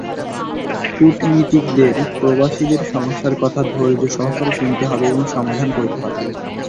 কূটনীতিকদের প্রবাসীদের সমস্যার কথা ধৈর্যসহকারে শুনতে হবে এবং সমাধান করতে হবে।